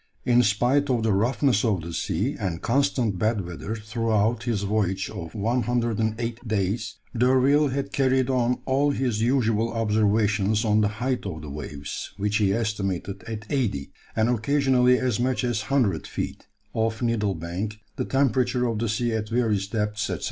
In spite of the roughness of the sea, and constant bad weather throughout his voyage of 108 days, D'Urville had carried on all his usual observations on the height of the waves, which he estimated at 80 and occasionally as much as 100 feet, off Needle Bank; the temperature of the sea at various depths, &c.